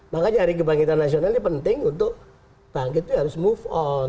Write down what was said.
makanya hari kebangkitan nasional ini penting untuk bangkit itu harus move on